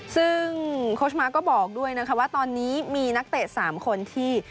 ซึ่งโค้ชมาร์ก็บอกด้วยนะคะว่าตอนนี้มีนักเตะ๓คนที่